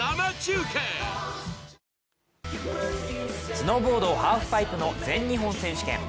スノーボードハーフパイプの全日本選手権。